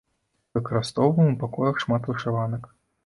Выкарыстоўваем у пакоях шмат вышыванак.